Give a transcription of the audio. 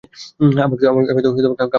আমাকে তো কাপড় ইস্ত্রি করতে হবে!